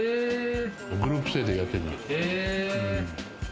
グループ制でやってる。